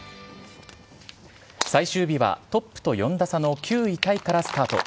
最終日は、トップと４打差の９位タイからスタート。